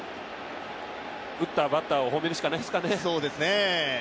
打ったバッターを褒めるしかないですかね。